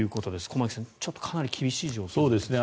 駒木さん、ちょっとかなり厳しい状況のようですね。